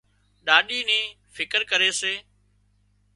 ڏاڏِي نِي فڪر ڪري سي